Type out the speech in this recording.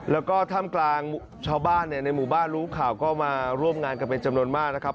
แล้วก็ท่ามกลางชาวบ้านในหมู่บ้านรู้ข่าวก็มาร่วมงานกันเป็นจำนวนมากนะครับ